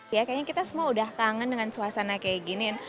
ya kayaknya kita semua udah kangen dengan suasana kayak gini